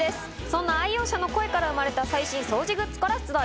そんな愛用者の声から生まれた最新掃除グッズから出題。